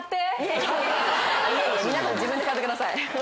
皆さん自分で買ってください。